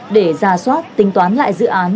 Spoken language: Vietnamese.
để ra soát tính toán lại dự án